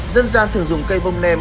dân gian thường dùng cây vông nem